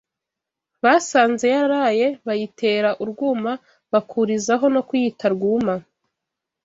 ”, basanze yararaye bayitera urwuma bakurizaho no kuyita “Rwuma”